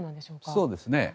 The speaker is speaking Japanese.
そうですね。